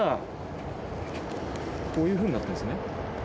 こういうふうになってるんですね。